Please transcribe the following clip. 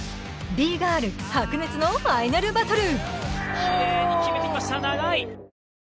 Ｂ−Ｇｉｒｌ、白熱のファイナルバトル！